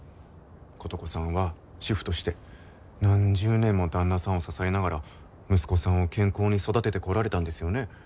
琴子さんは主婦として何十年も旦那さんを支えながら息子さんを健康に育ててこられたんですよね。